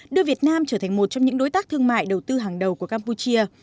đưa việt nam trở thành một trong những đối tác thương mại đầu tư hàng đầu của campuchia